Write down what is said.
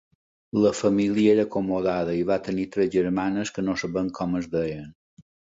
La família era acomodada i va tenir tres germanes, que no sabem com es deien.